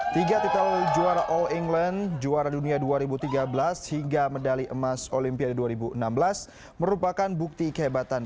tiga titel juara all england juara dunia dua ribu tiga belas hingga medali emas olimpiade dua ribu enam belas merupakan bukti kehebatan